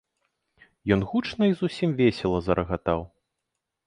Ён гучна і зусім весела зарагатаў.